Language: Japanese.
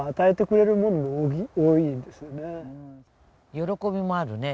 喜びもあるね。